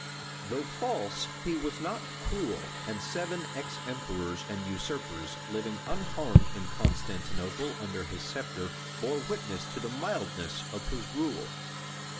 Though false, he was not cruel, and seven ex emperors and usurpers, living unharmed in Constantinople under his sceptre, bore witness to the mildness of his rule.